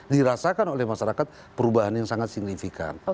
dirasakan oleh masyarakat perubahan yang sangat signifikan